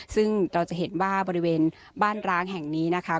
ซึ่งเราจะเห็นว่าบริเวณบ้านร้างแห่งนี้นะคะ